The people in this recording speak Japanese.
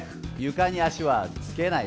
床に足はつけない。